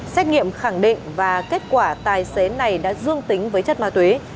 xét nghiệm khẳng định và kết quả tài xế này đã dương tính với chất ma túy